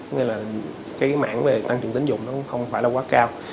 nghĩa là cái mảng về tăng trưởng tính dụng nó không phải là quá cao